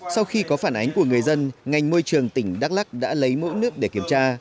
sau khi có phản ánh của người dân ngành môi trường tỉnh đắk lắc đã lấy mẫu nước để kiểm tra